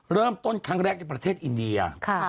เริ่มต้นครั้งแรกในประเทศอินเดีย